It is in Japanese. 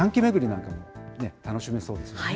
なんかも楽しめそうですね。